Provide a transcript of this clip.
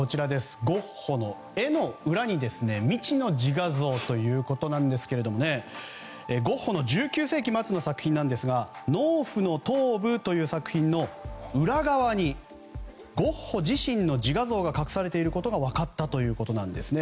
ゴッホの絵の裏に未知の自画像ということなんですがゴッホの１９世紀末の作品なんですが「農婦の頭部」という作品の裏側にゴッホ自身の自画像が隠されていることが分かったということです。